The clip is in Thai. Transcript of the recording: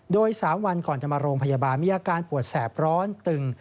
โดย๓วันก่อนจะมาโรงพยาบาลมีอาการปวดแสบร้อนตึง